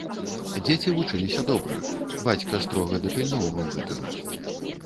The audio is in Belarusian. Дзеці вучыліся добра, бацька строга дапільноўваў гэтага.